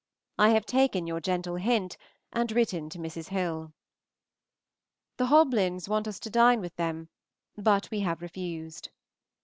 I have taken your gentle hint, and written to Mrs. Hill. The Hoblyns want us to dine with them, but we have refused.